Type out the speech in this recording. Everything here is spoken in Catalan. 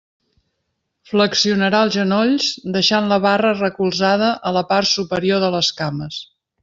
Flexionarà els genolls deixant la barra recolzada a la part superior de les cames.